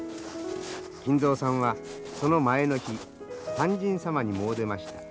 金蔵さんはその前の日勧進様に詣でました。